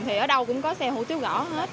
thì ở đâu cũng có xe hủ tiếu gõ hết